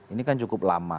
ini kan cukup lama